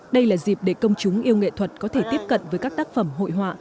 đây là dịp để công chúng yêu nghệ thuật có thể tiếp cận với các tác phẩm hội họa